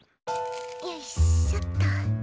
よいしょっと。